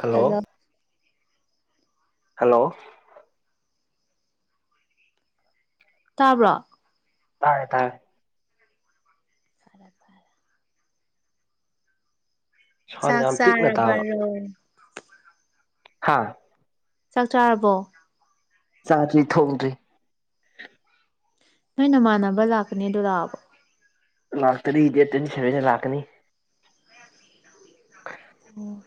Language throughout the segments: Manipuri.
ꯍꯂꯣ ꯍꯜꯂꯣ ꯍꯂꯣ ꯇꯥꯕ꯭ꯔꯣ ꯇꯥꯏ ꯇꯥꯏ [unintelligible] ꯁꯥꯎꯟ ꯆꯥꯛ ꯌꯥꯝ ꯄꯤꯛꯅ ꯆꯔꯕꯔ‌ꯣ ꯍꯥꯥ ꯆꯥꯛ ꯆꯥꯔꯕꯣ ꯆꯥꯛꯇꯤ ꯊꯣꯡ꯭ꯗꯔꯤ ꯅꯣꯏ ꯅꯃꯥꯟꯅꯕ ꯂꯥꯛꯀꯅꯤ ꯑꯗꯨ ꯂꯥꯛꯑꯕ ꯂꯥꯛꯇꯔꯤ ꯗ‌ꯦꯇ ꯇ‌ꯣꯏꯟꯇꯤꯁꯕ‌‌ꯦꯟ ꯗ ꯂꯥꯛꯀꯅꯤ ꯑꯣ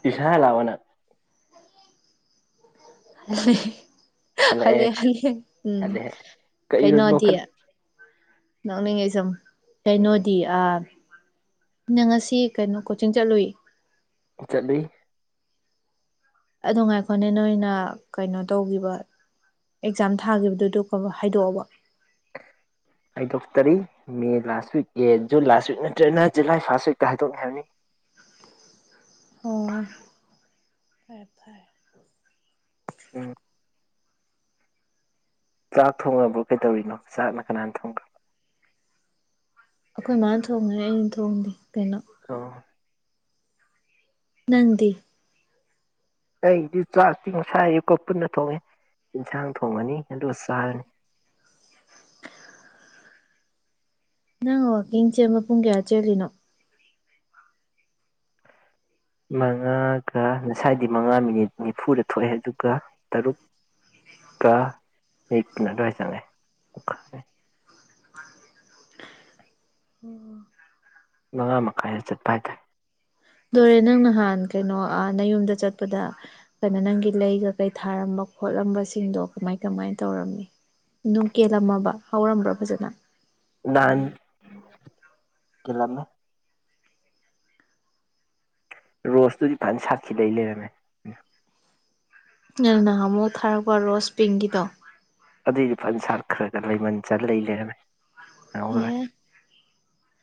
ꯇꯨꯏꯁꯟ ꯍꯜꯂꯛꯑꯕꯔꯣ ꯅ‌ꯪ [unintelligible] ꯍꯂ ꯍꯜꯂꯛꯑꯦ ꯍꯂ ꯎꯝ ꯍꯜꯂꯛꯑꯦ ꯀꯩꯅꯣ ꯀꯩꯅ‌ꯣꯗꯤ ꯅꯣꯛꯈꯠ ꯌꯥ [unintelligible] ꯎꯝ ꯀꯩꯅꯣꯗꯤ ꯑꯥ ꯅꯪ ꯉꯁꯤ ꯀꯩꯅꯣ ꯀꯣꯆꯤꯡ ꯆꯠꯂꯨꯏ ꯆꯠꯂꯤ ꯑꯗꯨ ꯉꯥꯏꯈꯣꯅꯦ ꯅꯣꯏꯅ ꯀꯩꯅꯣ ꯇꯧꯈꯤꯕ ꯑꯦꯛꯖꯥꯝ ꯊꯥꯒꯤꯈꯤꯕꯗꯨꯗꯨ ꯍꯥꯏꯗꯣꯛꯑꯕ ꯍꯥꯏꯗꯣꯛꯇꯔꯤ ꯃꯦ ꯂꯥꯁ ꯋꯤꯛ ꯑꯦ ꯖꯨꯟ ꯂꯥꯁ ꯋꯤꯛ ꯅꯠꯇ꯭ꯔꯒꯅ ꯖꯨꯂꯥꯏ ꯐꯥꯥꯁ ꯋꯤꯛꯇ ꯍꯥꯏꯗꯣꯛꯅꯤ ꯍꯥꯏꯕꯅꯤ ꯑꯣ ꯐꯔꯦ ꯐꯔ‌ꯦ ꯎꯝ ꯆꯥꯛ ꯊꯣꯡꯉꯕ꯭ꯔꯣ ꯀꯩꯗꯧꯔꯤꯅꯣ ꯆꯥꯛꯅ ꯀꯅꯥꯅ ꯊꯣꯡꯈ꯭ꯔꯕ ꯑꯩꯈꯣꯏ ꯃꯥ ꯊꯣꯡꯉꯦ ꯑꯩꯅ ꯊꯣꯡꯗꯦ ꯀꯩꯅꯣ ꯑ‌ꯣ ꯅꯪꯗꯤ ꯑꯩꯗꯤ ꯆꯥꯛꯇꯤ ꯉꯁꯥꯏꯌꯨꯀꯣ ꯄꯨꯟꯅ ꯊꯣꯡꯉꯦ ꯌꯦꯟꯁꯥꯡ ꯊꯣꯡꯉꯅꯤ ꯑꯗꯨꯒ ꯆꯥꯔꯅꯤ ꯅꯪ ꯋꯥꯋꯥꯛꯀꯤꯡꯁꯦ ꯃ ꯄꯨꯡ ꯀꯌꯥ ꯆꯦꯜꯂꯤꯅꯣ ꯃꯉꯥꯒ ꯉꯁꯥꯏꯗꯤ ꯃꯉꯥ ꯃꯤꯅꯤꯠ ꯅꯤꯐꯨꯗ ꯊꯣꯛꯑꯦ ꯑꯗꯨꯒ ꯇꯔꯨꯛꯀ ꯃꯤꯅꯤꯠꯨ ꯑꯗꯨꯋꯥꯏꯗ ꯆꯪꯉꯦ ꯉꯉꯥ ꯃꯈꯥꯏꯗ ꯆꯠꯄ ꯍꯥꯏ ꯇꯥꯏ ꯗꯣꯔꯦ ꯅꯪ ꯅꯍꯥꯟ ꯀꯩꯅꯣ ꯅ ꯌꯨꯝꯗ ꯆꯠꯄꯗ ꯀꯩꯅꯣ ꯅꯪꯒꯤ ꯂꯩꯒ ꯀꯩ ꯊꯥꯔꯝꯕ ꯈꯣꯠꯂꯝꯕꯁꯤꯡꯗꯣ ꯀꯃꯥꯏ ꯀꯃꯥꯏꯅ ꯇꯧꯔꯝꯃꯤ ꯑꯗꯨꯝ ꯀꯦꯜꯂꯝꯃꯕ ꯍꯧꯔꯝꯕ꯭ꯔꯥ ꯐꯖꯅ ꯅꯍꯥꯟ ꯀꯂꯝꯃꯦ ꯔꯣꯁꯇꯨꯗꯤ ꯐꯅ ꯁꯥꯠꯈꯤꯗꯩ ꯂꯩꯔꯝꯃꯦ ꯅꯪ ꯅꯍꯥꯟ ꯑꯃꯨ ꯊꯔꯛꯄ ꯔꯁ ꯄꯤꯒꯤꯗ ꯑꯗꯨꯏꯗꯤ ꯄꯟꯁꯥꯠ ꯈꯔ ꯈ ꯂꯩꯃꯟ ꯆ ꯂꯩ ꯂꯩꯔꯝꯃꯦ ꯅꯪꯍꯧꯔꯣꯏ [unintelligible]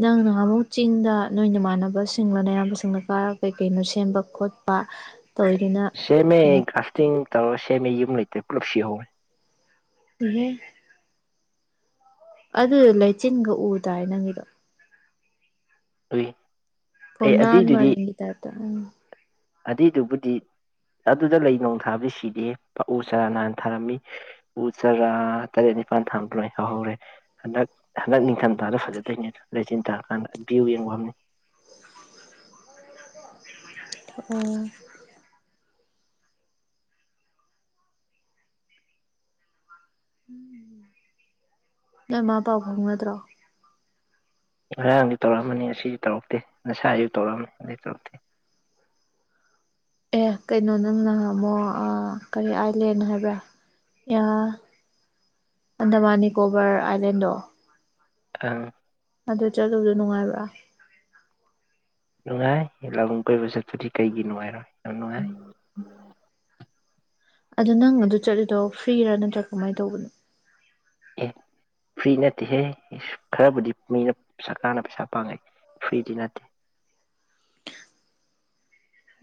ꯅꯪ ꯅꯍꯥꯟꯃꯨꯛ ꯆꯤꯡꯗ ꯅꯣꯏ ꯅꯃꯥꯟꯅꯕꯁꯤꯡꯂ ꯅꯌꯥꯝꯕꯁꯤꯡꯂ ꯀꯥꯔ ꯀꯩꯀꯩꯅꯣ ꯁꯦꯝꯕ ꯈꯣꯠꯄ ꯇꯧꯔꯤꯗꯨꯅ ꯁꯦꯝꯃꯦ ꯀꯃꯥꯏ [unintelligible] ꯇꯧꯔꯁꯦꯃꯤ ꯌꯨꯝ ꯂꯩꯇ ꯄꯨꯂꯞ ꯁꯤꯍꯧꯔꯦ꯫ [unintelligible] ꯑꯗꯨ ꯂꯩꯆꯤꯟꯒ ꯎꯗꯥꯥꯏ ꯅꯪꯒꯤꯗꯣ꯫ [unintelligible] ꯐꯨꯅꯥꯟ ꯑꯗꯨꯏꯗꯨꯗꯤ ꯃꯥꯔꯤꯡ [unintelligible] [unintelligible] ꯑꯗꯨꯏꯗꯨꯕꯨꯗꯤ ꯑꯗꯨꯗ ꯂꯩ ꯅꯨꯡ ꯊꯥꯕꯗꯤ ꯁꯤꯗꯦ ꯎ ꯆꯥꯔꯥ ꯅꯥꯟꯅ ꯊꯥꯔꯝꯃꯤ ꯎ ꯆꯥꯔꯥ ꯇꯔꯦꯠ ꯅꯤꯄꯥꯜ ꯊꯥꯔꯣꯏ ꯍꯧꯍꯧꯔꯦ ꯍꯟꯗꯛ ꯍꯟꯗꯛ ꯅꯤꯡꯊꯝꯊꯥꯗ ꯐꯖꯗꯣꯏꯅꯦ ꯂꯩꯆꯤꯟ ꯇꯥꯔꯀꯥꯟꯗ ꯚ꯭ꯌꯨ ꯌꯦꯡꯕꯝꯅꯤ꯫ [unintelligible] ꯅꯣꯏ ꯃꯥ ꯄꯥꯎ ꯐꯥꯎꯅꯗ꯭ꯔꯣ꯫ ꯉꯔꯥꯡꯗꯤ ꯇꯧꯔꯛꯑꯃꯅꯤ ꯉꯁꯤ ꯇꯧꯔꯛꯇꯦ ꯉꯁꯥꯏ ꯑꯌꯨꯛ ꯇꯧꯔꯛꯑꯃꯦ ꯑꯗꯩ ꯇꯧꯔꯛꯇꯦ꯫ ꯑꯦ ꯀꯩꯅꯣ ꯅꯪ ꯅꯍꯥꯃꯨꯛ ꯑ ꯀꯔꯤ ꯑꯥꯏꯂꯦꯟ ꯍꯥꯏꯕ꯭ꯔꯥ ꯑꯟꯗꯃꯥꯟ ꯅꯤꯀꯣꯕꯔ ꯑꯥꯏꯂꯦꯟꯗꯣ ꯑ ꯑꯗꯨ ꯆꯠꯂꯨꯕ ꯅꯨꯡꯉꯥꯏꯕ꯭ꯔꯥ꯫ ꯅꯨꯡꯉꯥꯏ ꯂꯝ ꯀꯣꯏꯕ ꯆꯠꯄꯗꯤ ꯀꯩꯒꯤ ꯅꯨꯡꯉꯥꯏꯔꯣꯏ ꯌꯥꯝ ꯅꯨꯡꯉꯥꯏ꯫ ꯑꯗꯣ ꯅꯪ ꯑꯗꯨ ꯆꯠꯂꯤꯗꯣ ꯐ꯭ꯔꯤꯔꯥ ꯅꯠꯇ꯭ꯔꯥ ꯀꯃꯥꯏ ꯇꯧꯕꯅꯣ꯫ ꯑꯦ ꯐ꯭ꯔꯤ ꯅꯠꯇꯦꯍꯦ ꯈꯔꯕꯨꯗꯤ ꯃꯤꯅ ꯁꯔꯀꯥꯔꯅ ꯄꯩꯁꯥ ꯄꯥꯡꯉꯦ ꯐ꯭ꯔꯤꯗꯤ ꯅꯠꯇꯦ꯫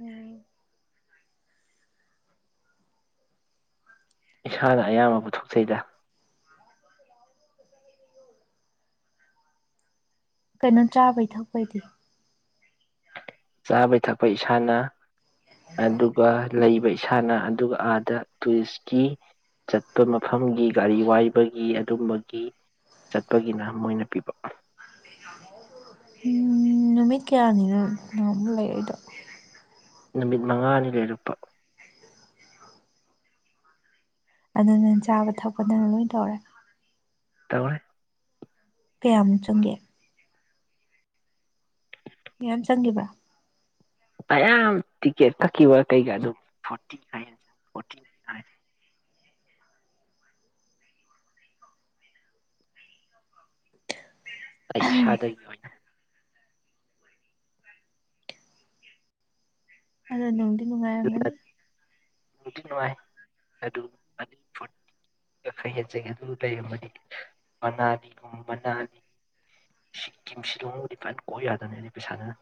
ꯎꯝ꯫ ꯏꯁꯥꯅ ꯑꯌꯥꯝꯕ ꯄꯨꯊꯣꯛꯆꯩꯗ꯫ ꯀꯩꯅꯣ ꯆꯥꯕꯩ ꯊꯛꯄꯩꯗꯤ꯫ ꯆꯥꯕꯩ ꯊꯛꯄꯩ ꯏꯁꯥꯅ꯫ ꯑꯗꯨꯒ ꯂꯩꯕꯩ ꯏꯁꯥꯅ ꯑꯗꯨꯒ ꯑꯥꯗ ꯇꯨꯔꯤꯁꯀꯤ ꯆꯠꯄ ꯃꯐꯝꯒꯤ ꯒꯥꯔꯤ ꯋꯥꯏꯕꯒꯤ ꯑꯗꯨꯝꯕꯒꯤ ꯆꯠꯄꯒꯤꯅ ꯃꯣꯏꯅ ꯄꯤꯕ꯫ ꯎꯝ ꯅꯨꯃꯤꯠ ꯀꯌꯥꯅꯤꯔꯥ ꯅꯪꯅ ꯂꯩꯔꯛꯏꯗꯣ꯫ ꯅꯨꯃꯤꯠ ꯃꯉꯥꯅꯤ ꯂꯩꯔꯛꯄ꯫ ꯑꯗꯨꯗꯤ ꯆꯥꯕ ꯊꯛꯄ ꯅꯪꯅ ꯂꯣꯏ ꯇꯧꯔꯦ꯫ ꯇꯧꯔꯦ꯫ ꯀꯌꯥꯃꯨꯛ ꯆꯪꯒꯦ꯫ ꯌꯥꯝ ꯆꯪꯒꯤꯕ꯭ꯔꯥ꯫ ꯀꯌꯥꯝ ꯇꯤꯀꯦꯠ ꯀꯛꯈꯤꯕ ꯀꯩꯒ ꯑꯗꯨꯝ ꯐꯣꯔꯇꯤ ꯐꯥꯏꯞ ꯐꯣꯔꯇꯤ ꯐꯥꯏꯞ ꯫ ꯑꯩ ꯏꯁꯥꯗꯒꯤ ꯑꯣꯏꯅ꯫ ꯑꯗꯣ ꯅꯨꯡꯗꯤ ꯑꯗꯨꯅ ꯅꯨꯡꯉꯥꯏꯔꯝꯃꯅꯤ꯫ ꯅꯨꯡꯗꯤ ꯅꯨꯡꯉꯥꯏ ꯑꯗꯨ [unintelligible] ꯐꯣꯔꯇꯤꯒ ꯈꯔ ꯍꯦꯟꯅ ꯆꯪꯉꯤ ꯑꯗꯨ ꯂꯩꯔꯝꯃꯗꯤ ꯃꯅꯥꯂꯤꯒꯨꯝꯕ ꯃꯅꯥꯂꯤ ꯁꯤꯀꯤꯝ ꯁꯤꯂꯣꯡꯕꯨꯗꯤ ꯐꯅ ꯀꯣꯛ ꯌꯥꯗꯣꯏꯅꯦ ꯑꯗꯨ ꯄꯩꯁꯥꯗꯨꯅ꯫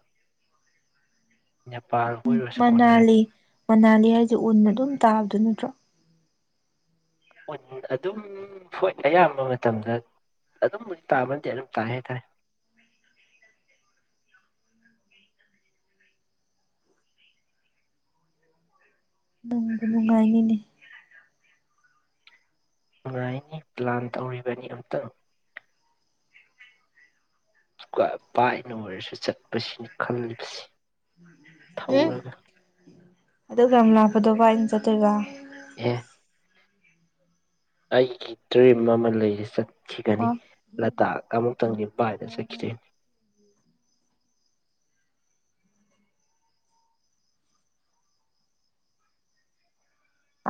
ꯄꯥꯔ ꯀꯣꯏꯔꯨꯔꯁꯨ ꯀꯣꯅꯔ ꯃꯅꯥꯂꯤ ꯃꯅꯥꯂꯤ ꯍꯥꯏꯁꯦ ꯎꯟ ꯑꯗꯨꯝ ꯇꯥꯕꯗꯨ ꯅꯠꯇ꯭ꯔꯣ꯫ ꯎꯟ ꯑꯗꯨꯝ ꯍꯣꯏ ꯑꯌꯥꯝꯕ ꯃꯇꯝꯗ ꯑꯗꯨꯝꯕꯨꯗꯤ ꯇꯥꯕ ꯅꯠꯇꯦ ꯑꯗꯨꯝ ꯇꯥꯏ ꯍꯥꯏꯇꯥꯔꯦ꯫ ꯨ ꯅꯨꯡꯉꯥꯏꯅꯤꯅꯦ꯫ ꯅꯨꯡꯉꯥꯏꯅꯤ ꯄ꯭ꯂꯥꯟ ꯇꯧꯔꯤꯕꯅꯤ ꯑꯃꯝꯇꯪ꯫ [unintelligible] ꯕꯥꯏꯛꯅ ꯑꯣꯏꯔꯁꯨ ꯆꯠ ꯃꯁꯤꯅꯤ ꯈꯜꯂꯤꯕꯁꯤ ꯊꯧꯔꯒ꯫ ꯑꯗꯨꯛ ꯌꯥꯝ ꯂꯥꯛꯄꯗꯣ ꯕꯥꯛꯏꯅ ꯆꯠꯇꯣꯏꯕ꯫ ꯑꯦ [unintelligible] [inaudible] ꯑꯩꯒꯤ ꯗ꯭ꯔꯤꯝ ꯑꯃ ꯂꯩꯌꯦ ꯆꯠ ꯈꯤꯒꯅꯤ ꯑꯣ ꯂꯗꯥꯛ ꯑꯃꯨꯛꯇꯪꯗꯤ ꯄꯥꯏꯕ ꯆꯠꯈꯤꯗꯣꯏꯅꯤ꯫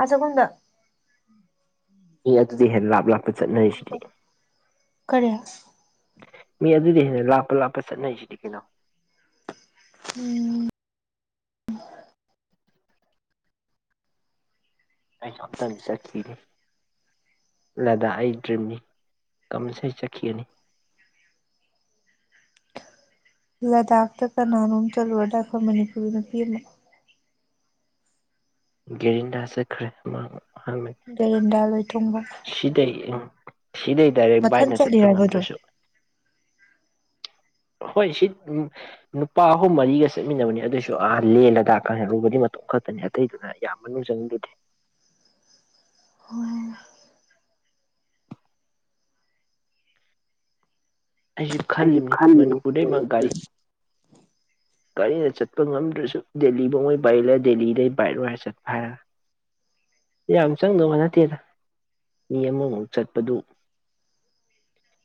ꯑ ꯆꯈꯨꯝꯗ꯫ ꯃꯤ ꯑꯗꯨꯗꯩ ꯍꯦꯟꯅ ꯂꯥꯞ ꯂꯥꯞ ꯈꯔꯖꯨ ꯆꯞ ꯀꯔꯤ ꯃꯤ ꯑꯗꯨꯗꯩ ꯍꯦꯟꯅ ꯂꯥꯞꯄ ꯂꯥꯞꯄ ꯆꯠꯅꯩꯁꯤꯗꯤ ꯀꯩꯅꯣ꯫ ꯎꯝ꯫ ꯑꯩꯖꯨ ꯑꯝꯇꯪ ꯆꯠꯈꯤꯅꯤ ꯂꯗꯥꯛ ꯑꯩ ꯗ꯭ꯔꯤꯝꯅꯤ ꯀꯃꯟꯁꯔꯤ ꯆꯠꯈꯤꯒꯅꯤ꯫ ꯂꯗꯥꯥꯛꯇ ꯀꯅꯥꯅꯣꯝ ꯆꯂꯨꯔꯗꯥꯏ ꯈꯣꯏ ꯃꯅꯤꯄꯨꯔꯤ ꯅꯨꯄꯤ ꯑꯃ ꯒꯦꯔꯤꯟꯗ ꯆꯠꯈꯔꯦ ꯃꯥꯑꯝ ꯒꯦꯔꯤꯟꯗ ꯂꯣꯏꯇꯔꯣꯡꯕꯝ꯫ ꯁꯤꯗꯩ [unintelligible] ꯁꯤꯗꯩ ꯗꯥꯏꯔꯦꯛ ꯃꯊꯟ ꯕꯥꯏꯛꯅ ꯆꯠꯄ ꯆꯠꯂꯤꯔꯕꯗꯣ ꯉꯝꯗ꯭ꯔꯁꯨ ꯍꯣꯏ ꯁꯤ ꯅꯨꯄꯥ ꯑꯍꯨꯝ ꯃꯔꯤꯒ ꯆꯠꯃꯤꯟꯅꯕꯅꯦ ꯑꯗꯨꯏꯁꯨ ꯑꯍꯥꯟꯕꯅꯤ ꯂꯗꯥꯥꯛ ꯀ ꯌꯧꯔꯨꯕꯗꯤ ꯃꯇꯣꯝ ꯈꯛꯇꯅꯣ ꯑꯇꯩꯗꯨꯅ ꯌꯥꯝ ꯃꯅꯨꯡ ꯆꯪꯒꯤꯗꯦ꯫ ꯑꯩꯖꯨ ꯑꯩꯁꯨ ꯈꯜꯂꯤꯝꯅꯤ ꯈꯜꯂꯤꯅꯤ ꯃꯅꯤꯄꯨꯔꯗꯒꯗꯩ ꯃꯛ ꯒꯥꯔꯤ ꯒꯥꯔꯤꯅ ꯆꯠꯄ ꯉꯝꯗ꯭ꯔꯁꯨ ꯗꯦꯜꯂꯤꯐꯥꯎꯉꯩ ꯄꯥꯏꯂ ꯗꯦꯜꯂꯤꯗꯩ ꯄꯥꯏꯂꯣꯏꯔ ꯆꯠꯄ ꯍꯥ ꯌꯥꯝ ꯆꯪꯗꯧꯕ ꯅꯠꯇꯦꯗ ꯃꯤ ꯑꯃꯃꯨꯛ ꯆꯠꯄꯗꯨ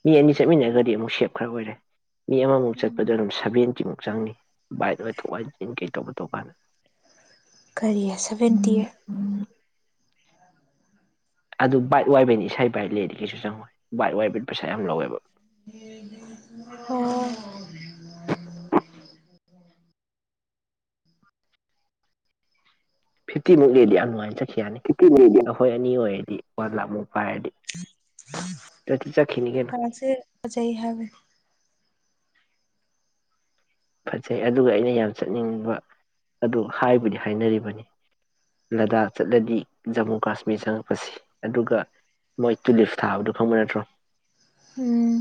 ꯃꯤ ꯑꯅꯤ ꯆꯠꯃꯤꯟꯅꯒ꯭ꯔ ꯗꯤꯃꯨꯛ ꯁꯦꯞ ꯈꯔ ꯑꯣꯏꯔꯦ ꯃꯤ ꯑꯃꯃꯨꯛ ꯎꯝ ꯆꯠꯄꯗ ꯑꯗꯨꯝ ꯁꯚꯦꯟꯇꯤꯃꯨꯛ ꯆꯪꯅꯤ ꯕꯥꯏꯠ ꯑ [unintelligible] ꯀꯩ ꯇꯧꯕ ꯇꯧꯀꯥꯟꯗ꯫ ꯀꯔꯤ ꯁꯕꯦꯟꯇꯤ꯫ ꯑꯗꯨ ꯕꯥꯏꯛ ꯋꯥꯏꯕꯩꯅꯤ ꯏꯁꯩꯥꯏ ꯕꯥꯏꯛ ꯂꯩꯔꯗꯤ ꯀꯩꯁꯨ ꯆꯪꯉꯣꯏ ꯕꯥꯏꯛ ꯋꯥꯏꯕꯩ ꯄꯩꯁꯥ ꯌꯥꯝ ꯂꯧꯋꯦꯕ꯫ ꯑꯣ ꯐꯤꯞꯇꯤꯃꯨꯛ ꯂꯩꯔꯗꯤ ꯌꯥꯝ ꯅꯨꯡꯉꯥꯏꯅ ꯆꯠꯈꯤ ꯌꯥꯅꯤ꯫ ꯀꯤꯇꯤꯅꯦꯗꯤ ꯅꯈꯣꯏ ꯑꯅꯤ ꯑꯣꯏꯌꯦ ꯗꯤ ꯋꯥꯟꯂꯥꯛ ꯃꯨꯛ ꯄꯥꯏꯔꯗꯤ ꯁꯠ ꯂꯗꯥꯛꯁꯦ ꯐꯖꯩ ꯍꯥꯏꯕꯅꯤ꯫ ꯐꯖꯩ ꯑꯗꯨꯒ ꯑꯩꯅ ꯌꯥꯝ ꯆꯠꯅꯤꯡꯕ ꯑꯗꯨ ꯍꯥꯏꯕꯨꯗꯤ ꯍꯥꯏꯅꯔꯤꯕꯅꯤ ꯂꯗꯥꯛ ꯆꯠꯂꯗꯤ ꯖꯃꯨ ꯀꯥꯁꯃꯤꯔ ꯆꯪꯉꯛꯄꯁꯤ ꯑꯗꯨꯒ ꯃꯣꯏ ꯇꯨꯂꯤꯞ ꯊꯥꯕꯗꯨ ꯈꯪꯕ ꯅꯠꯇ꯭ꯔꯣ ꯎꯝ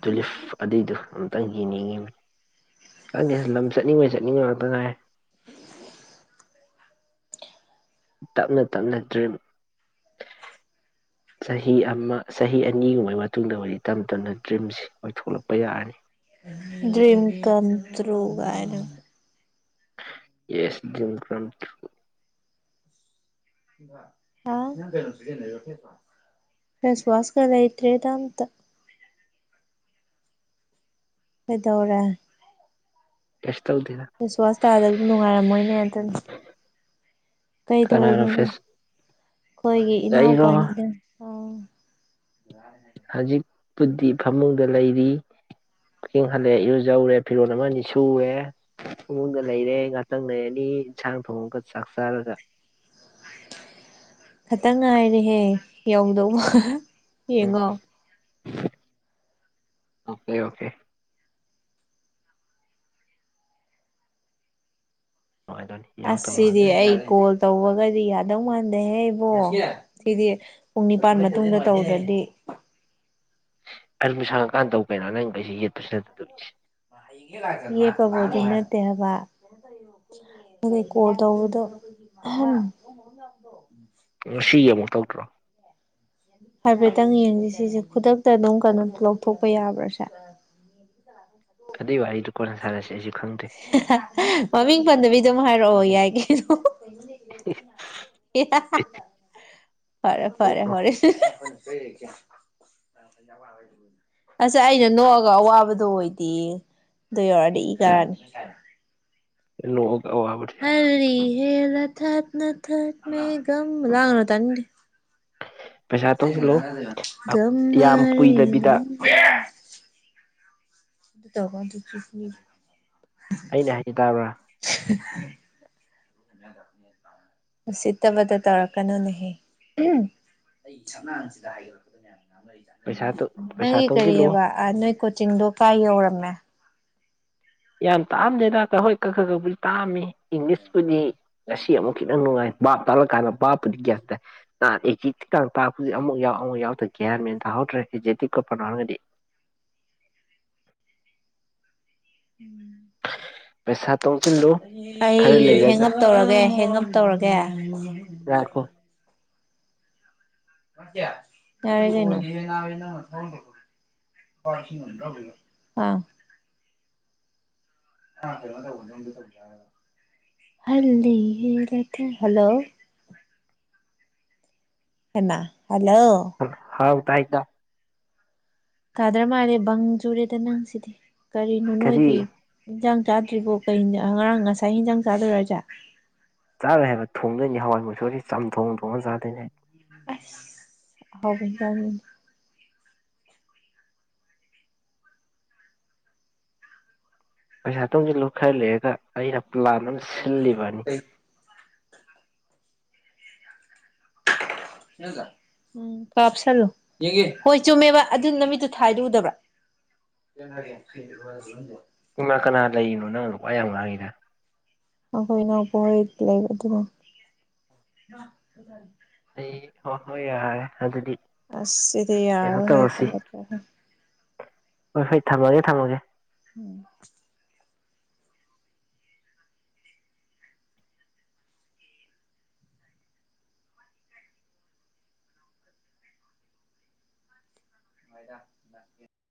ꯇꯨꯂꯤꯞ ꯑꯗꯨꯏꯗꯨ ꯑꯝꯇꯪ ꯌꯦꯡꯅꯤꯡꯉꯤꯃꯤ꯫ ꯈꯪꯗꯦꯗ ꯂꯝ ꯆꯠꯅꯤꯡꯕꯩ ꯆꯠꯅꯤꯡꯕ ꯉꯥꯛꯇ ꯉꯥꯏꯔꯦ꯫ ꯇꯞꯅ ꯇꯞꯅ ꯗ꯭ꯔꯤꯝ ꯆꯍꯤ ꯑꯃ ꯆꯍꯤ ꯑꯅꯤꯒꯨꯝꯕꯒꯤ ꯃꯇꯨꯡꯗꯕꯨꯗꯤ ꯇꯞ ꯇꯞꯅ ꯗ꯭ꯔꯤꯝꯁꯤ ꯑꯣꯏꯊꯣꯛꯂꯛꯄ ꯌꯥꯔꯅꯤ꯫ ꯗ꯭ꯔꯤꯝ ꯀꯝ ꯇꯔꯨ ꯒꯥꯏꯅ꯫ ꯌꯦꯁ ꯗ꯭ꯔꯤꯝ ꯀꯝ ꯇꯔꯨ ꯫ [unintelligible] ꯍꯥ ꯅꯪ ꯀꯩꯅꯣ ꯁꯤꯖꯤꯟꯅꯩꯔꯣ ꯐꯦꯁꯋꯥꯁ ꯐꯦꯁꯋꯥꯁꯀ ꯂꯩꯇ꯭ꯔꯦꯗ ꯑꯝꯇꯥ꯫ ꯀꯩꯗꯧꯔꯦ꯫ ꯀꯩꯁꯨ ꯇꯧꯗꯦꯗ ꯐꯦꯁꯋꯥꯁ ꯇꯥꯗꯕꯖꯤ ꯅꯨꯡꯉꯥꯏꯔꯝꯃꯣꯏꯅꯦ ꯑꯗꯨꯅꯤ ꯀꯅꯥꯅ ꯀꯩꯗꯧꯔꯤꯅꯣ ꯅꯪ ꯐꯦꯁ ꯑꯩꯈꯣꯏꯒꯤ ꯑꯩꯔꯣ ꯏꯅꯥꯎꯄꯥꯅꯤꯅ ꯑꯥ ꯗꯗꯥꯅ ꯍꯥꯏꯕꯅꯦ꯫ ꯄꯨꯗꯤ ꯐꯃꯨꯡꯗ ꯂꯩꯔꯤ ꯋꯥꯀꯤꯛ ꯍꯜꯂꯦ ꯏꯔꯨꯖꯧꯔꯦ ꯐꯤꯔꯣꯜ ꯑꯃ ꯑꯅꯤ ꯁꯨꯔꯦ ꯐꯃꯨꯡꯗ ꯂꯩꯔꯦ ꯉꯥꯛꯇꯪ ꯂꯩꯔꯅꯤ ꯏꯟꯁꯥꯡ ꯊꯣꯡꯉꯒ ꯆꯥꯛ ꯆꯥꯔꯒ ꯈꯇꯪ ꯉꯥꯏꯔꯦꯍꯦ ꯌꯧꯗꯧꯕ꯫ ꯎꯝ ꯌꯦꯡꯉꯣ꯫ Okay okay. ꯅꯨꯡꯉꯥꯏꯗꯣꯏꯅꯤ ꯌꯥꯎ ꯇꯧ ꯃꯥꯜꯂꯦ ꯑꯁꯤꯗꯤ ꯑꯩ ꯀꯣꯜ ꯇꯧꯕꯒꯗꯤ ꯌꯥꯗꯧ ꯃꯥꯟꯗꯦꯍꯦ ꯏꯕꯣ ꯁꯤꯗꯤ ꯄꯨꯡ ꯅꯤꯄꯥꯜ ꯃꯇꯨꯡꯗ ꯇꯧꯗ꯭ꯔꯗꯤ ꯑꯗꯨꯝ ꯁꯪꯉꯀꯥꯟꯗ ꯇꯧ ꯀꯩꯅꯣ ꯅꯪ ꯀꯩꯁꯤ ꯌꯦꯠꯄꯁꯨ ꯅꯠꯇꯕꯗꯣ ꯏꯁ ꯌꯦꯠꯄꯕꯨꯗꯤ ꯅꯠꯇꯦ ꯍꯥꯏꯕꯥ ꯑꯗꯩ ꯀꯣꯜ ꯇꯧꯕꯗꯣ ꯑꯍꯝ ꯉꯁꯤꯒꯤ ꯑꯃꯣꯛ ꯇꯧꯗ꯭ꯔꯣ ꯍꯥꯏꯐꯦꯠꯇꯪ ꯌꯦꯡꯖꯤ ꯁꯤꯖꯦ ꯈꯨꯗꯛꯇ ꯑꯗꯨꯝ ꯀꯩꯅꯣ ꯂꯧꯊꯣꯛꯄ ꯌꯥꯕ꯭ꯔꯥꯁꯦ ꯍꯥ ꯍꯥ ꯑꯗꯨꯏ ꯋꯥꯔꯤꯗꯨ ꯀꯣꯟꯅ ꯁꯥꯟꯅꯁꯦ ꯑꯩꯁꯨ ꯈꯪꯗꯦ ꯍꯍ ꯃꯃꯤꯡ ꯄꯟꯗꯕꯤ ꯑꯗꯨꯝ ꯍꯥꯏ ꯔꯛꯑꯣ ꯌꯥꯏ ꯀꯩꯅꯣ ꯍꯍ ꯍ ꯍꯦ ꯍꯥ ꯍꯥ ꯐꯔꯦ ꯐꯔꯦ ꯍꯣꯔꯦꯟ ꯍꯨ ꯍꯨ ꯍꯨ ꯑꯁ ꯑꯩꯅ ꯅꯣꯛꯑꯒ ꯑꯋꯥꯕꯗꯣ ꯑꯣꯏ ꯇꯤ ꯑꯗꯨ ꯌꯧꯔꯛꯑꯗꯤ ꯏ ꯀꯥꯔꯛꯑꯅꯤ ꯂꯣꯛ ꯑꯥꯎꯠ ꯑꯋꯥꯕꯗꯤ ꯌꯦꯜꯂ ꯊꯠ ꯅꯥ ꯊꯠ ꯃꯦ ꯒꯝ ꯂꯥꯡꯒꯅꯨ ꯇꯥꯅꯤꯡꯗꯦ ꯄꯩꯁꯥ ꯇꯨꯡꯁꯤꯜꯂꯣ ꯒꯝ ꯌꯥꯝ ꯃꯥꯔꯦ ꯀꯨꯏꯗꯕꯤꯗ ꯒꯝ ꯃꯥꯔ ꯑꯗꯨ ꯇꯧꯀꯟ ꯇꯨꯀꯤꯃꯤ ꯑꯩꯅ ꯍꯥꯏꯖꯦ ꯇꯥꯕ꯭ꯔꯥ ꯎꯁꯤꯠꯇꯕꯗꯣ ꯇꯧꯔꯛꯀꯅꯨꯅꯦꯍꯦ ꯎꯝ ꯄꯩꯁꯥ ꯄꯩꯁꯥ ꯅꯪꯒꯤ ꯇꯨꯡꯁꯤꯜꯂꯨ ꯀꯔꯤꯑꯕ ꯑꯥ ꯅꯣꯏ ꯀꯣ ꯆꯤꯡꯗꯣ ꯀꯥꯏ ꯌꯧꯔꯝꯃꯦ ꯌꯥꯝ ꯇꯥꯛꯑꯝꯗꯦꯗ ꯇꯥ ꯍꯣꯏ ꯀꯛ ꯈꯥ ꯈꯥ ꯕꯨꯗꯤ ꯇꯥꯛꯑꯝꯃꯤ ꯏꯪꯂꯤꯁꯄꯨꯗꯤ ꯉꯁꯤ ꯑꯃꯨꯛ ꯈꯤꯇꯪ ꯅꯨꯡꯉꯥꯏ ꯕꯥꯞ ꯇꯥꯛꯂꯛꯀꯥꯟꯗ ꯕꯥꯞꯄꯨꯗꯤ ꯒ꯭ꯌꯥꯟ ꯇꯥꯏ ꯅꯍꯥꯟ ꯑꯦꯛꯖꯦꯛꯇꯤꯛ ꯀꯥꯡ ꯇꯥꯛꯄꯗꯤ ꯑꯃꯨꯛ ꯌꯥꯎ ꯑꯃꯨꯛ ꯌꯥꯎꯗ ꯒ꯭ꯌꯥꯟ ꯃꯦꯟ ꯇꯥꯍꯧꯗ꯭ꯔꯦ ꯑꯦꯛꯖꯦꯛꯇꯤꯕꯀꯥ ꯄ꯭ꯔꯅꯥꯎꯟꯒꯗꯤ ꯎꯝ ꯄꯩꯁꯥ ꯇꯨꯡꯁꯤꯜꯂꯨ ꯑꯩ ꯈꯔ ꯍꯦꯡ ꯂꯩꯔꯒ ꯑꯞ ꯇꯧꯔꯒꯦ ꯍꯦꯡ ꯑꯞ ꯑꯞ ꯇꯧꯔꯒꯦ ꯂꯧꯁꯤꯟꯕ ꯉꯝꯗꯕ ꯉꯥꯏꯈꯣ ꯏꯆꯦ ꯌꯥꯔꯦ ꯀꯩꯅꯣ ꯑꯥꯡ ꯍꯜꯗꯤꯌꯦ ꯂꯦꯛ ꯊꯥ ꯍꯜꯂꯣ ꯍꯟꯅ ꯍꯜꯂꯣ ꯇꯥꯏꯗꯥ ꯀꯥꯗ꯭ꯔꯥ ꯃꯥꯂꯦ ꯕꯪ ꯆꯨꯔꯦꯗ ꯅꯪꯁꯤꯗꯤ ꯀꯔꯤꯅꯣ ꯀꯔꯤ ꯅꯣꯏꯒꯤ ꯏꯟꯖꯥꯡ ꯆꯥꯗ꯭ꯔꯤꯕꯣ ꯀꯔꯤ ꯏꯟꯖꯥꯡ ꯑ ꯉꯔꯥꯡ ꯉꯁꯥꯏ ꯍꯤꯟꯖꯥꯡ ꯆꯥꯗꯣꯏꯔꯣ ꯍꯥꯏꯖꯦ ꯆꯥꯔꯣꯏ ꯍꯥꯏꯕ ꯊꯣꯡꯗꯣꯏꯅꯤ ꯍꯋꯥꯏ ꯃꯨꯁꯣꯔꯤ ꯆꯝꯊꯣꯡ ꯊꯣꯡꯉ ꯆꯥꯗꯣꯏꯅꯦ ꯑꯁ ꯑꯍꯥꯎꯕ ꯑꯃ ꯆꯥꯗꯣꯏꯅꯤ ꯄꯩꯁꯥ ꯇꯨꯡꯖꯤꯜꯂꯨ ꯈꯔ ꯂꯩꯔꯒ ꯑꯩꯅ ꯄ꯭ꯂꯥꯟ ꯑꯝ ꯁꯤꯜꯂꯤꯕꯅꯤ ꯎꯝ ꯀꯥꯞꯁꯜꯂꯨ ꯌꯦꯡꯒꯦ ꯍꯣꯏ ꯆꯨꯝꯃꯦꯕ ꯑꯗꯨ ꯅꯃꯤꯠꯇꯨ ꯊꯥꯏꯗꯨ ꯎꯗꯕ꯭ꯔꯥ ꯀꯅꯥ ꯀꯅꯥ ꯂꯩꯔꯤꯅꯣ ꯅꯪ ꯋꯥ [unintelligible] ꯑꯩꯈꯣꯏꯒꯤꯅ ꯄꯨꯡꯂꯩ ꯂꯩꯕ ꯑꯗꯨꯅ ꯑꯩ ꯍꯣ ꯍꯣꯏ ꯌꯥꯔꯦ ꯑꯗꯨꯗꯤ ꯑꯁ ꯁꯤꯗꯤ ꯀꯩꯅꯣ ꯌꯥꯔꯔꯣꯏꯍꯦ ꯇꯧꯔꯁꯤ ꯐꯟ ꯑꯣꯠꯈ꯭ꯔꯦꯍꯦ ꯍꯣꯏ ꯍꯣꯏ ꯊꯝꯃꯒꯦ ꯊꯝꯃꯒꯦ ꯎꯝ [unintelligible]